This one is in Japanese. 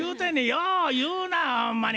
よう言うなぁほんまに。